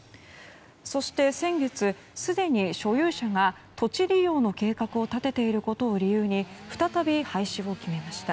そして先月、すでに所有者が土地利用の計画を立てていることを理由に再び廃止を決めました。